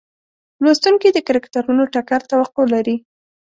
لوستونکي د کرکټرونو ټکر توقع لري.